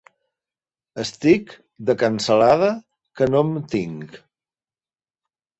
Estic, de cansalada, que no em tinc.